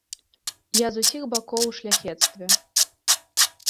Я з усіх бакоў у шляхецтве.